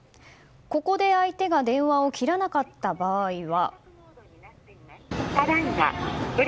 ここで相手が電話を切らなかった場合は。